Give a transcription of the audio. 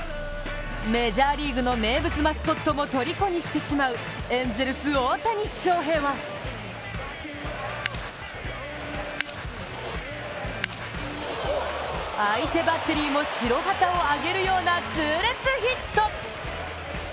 メジャーリーグの名物マスコットもとりこにしてしまうエンゼルス・大谷翔平は相手バッテリーも白旗を上げるような痛烈ヒット。